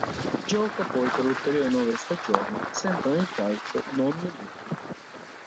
Gioca poi per ulteriori nove stagioni, sempre nel calcio "Non-League".